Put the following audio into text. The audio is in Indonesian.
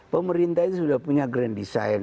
pemerintah itu sudah punya grand design